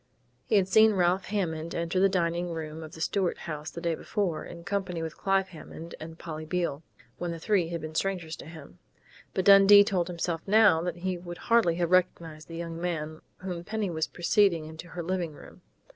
He had seen Ralph Hammond enter the dining room of the Stuart House the day before, in company with Clive Hammond and Polly Beale, when the three had been strangers to him; but Dundee told himself now that he would hardly have recognized the young man whom Penny was preceding into her living room.